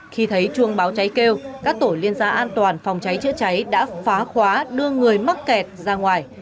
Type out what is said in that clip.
khi thấy chuông báo cháy kêu các tổ liên gia an toàn phòng cháy chữa cháy đã phá khóa đưa người mắc kẹt ra ngoài